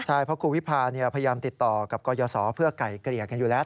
ใช่เพราะครูวิพาพยายามติดต่อกับกรยศเพื่อไก่เกลี่ยกันอยู่แล้ว